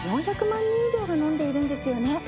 ４００万人以上が飲んでいるんですよね。